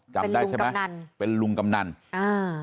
จำได้ใช่ไหมกนันเป็นลุงกำนันอ่า